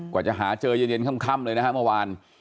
กว่าจะหาเจอเย็นค่ำเลยนะฮะเมื่อวาน